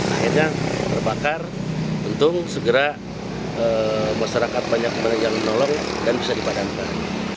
akhirnya terbakar untuk segera masyarakat banyak yang menolong dan bisa dipadamkan